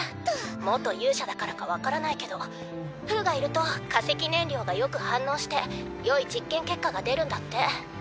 元勇者だからか分からないけど風がいると化石燃料がよく反応してよい実験結果が出るんだって。